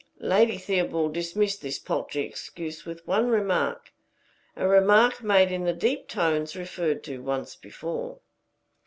Lady Theobald dismissed this paltry excuse with one remark, a remark made in the deep tones referred to once before.